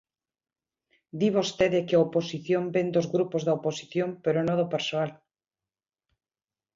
Di vostede que a oposición vén dos grupos da oposición pero no do persoal.